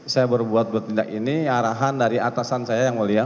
saya berbuat bertindak ini arahan dari atasan saya yang mulia